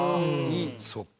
そっか。